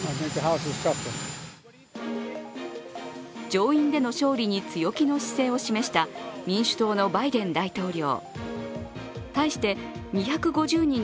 上院での勝利に強気の姿勢を示した民主党のバイデン大統領。